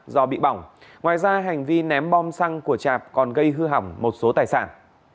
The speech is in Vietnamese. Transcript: do bị bỏng ngoài ra hành vi ném bom xăng của chạp còn gây hư hỏng một số tài sản